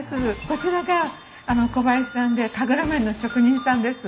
こちらが小林さんで神楽面の職人さんです。